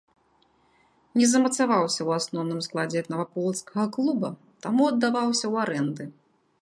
Не замацаваўся ў асноўным складзе наваполацкага клуба, таму аддаваўся ў арэнды.